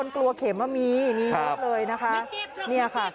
ถามถ่ายได้เลยนะคะเนี่ยค่ะ